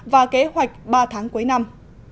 và kế hoạch ba tháng cuối năm